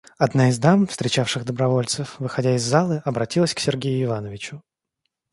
Одна из дам, встречавших добровольцев, выходя из залы, обратилась к Сергею Ивановичу.